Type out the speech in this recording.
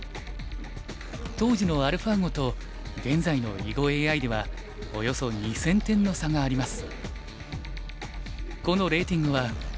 当時のアルファ碁と現在の囲碁ＡＩではおよそ２０００点の差があります。